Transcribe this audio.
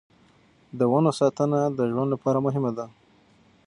د ونو ساتنه د ژوند لپاره مهمه ده.